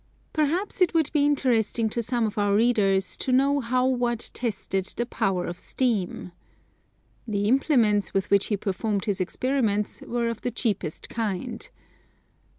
Perhaps it would be interesting to some of our readers to know how Watt tested the power of steam. The implements with which he performed his experiments were of the cheapest kind.